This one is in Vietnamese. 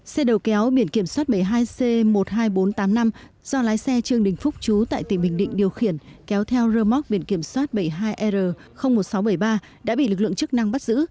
xe đầu kéo biển kiểm soát bảy mươi hai c một mươi hai nghìn bốn trăm tám mươi năm do lái xe trương đình phúc chú tại tỉnh bình định điều khiển kéo theo rơ móc biển kiểm soát bảy mươi hai r một nghìn sáu trăm bảy mươi ba đã bị lực lượng chức năng bắt giữ